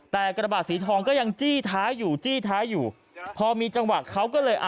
แต่กระบาดสีทองก็ยังจี้ท้ายอยู่จี้ท้ายอยู่พอมีจังหวะเขาก็เลยอ่ะ